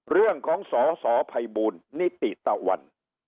เรื่องของสสภัยบูลนิติตะวัน